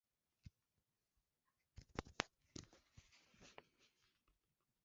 Ned Price japokuwa hakuishutumu kabisa Urusi kwa kufanya uhalifu kama huo